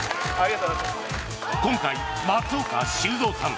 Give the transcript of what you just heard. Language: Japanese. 今回、松岡修造さん